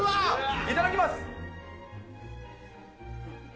いただきます。